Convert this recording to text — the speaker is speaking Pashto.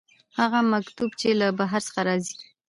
هغه مکتوب چې له بهر څخه راځي.